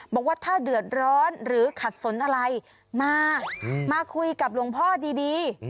บอกว่าถ้าเดือดร้อนหรือขัดสนอะไรมามาคุยกับหลวงพ่อดี